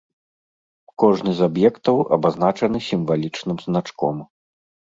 Кожны з аб'ектаў абазначаны сімвалічным значком.